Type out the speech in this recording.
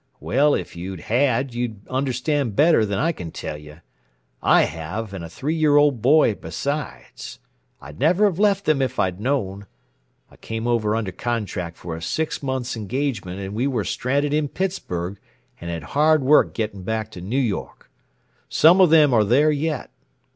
"Well, if you had you'd understand better than I can tell you. I have, and a three year old boy besides. I'd never have left them if I'd known. I came over under contract for a six months' engagement and we were stranded in Pittsburg and had hard work getting back to New York. Some of them are there yet.